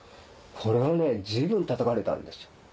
これはね随分たたかれたんですよ。